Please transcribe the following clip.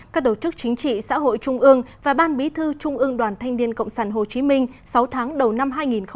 các tổ chức chính trị xã hội trung ương và ban bí thư trung ương đoàn thanh niên cộng sản hồ chí minh sáu tháng đầu năm hai nghìn hai mươi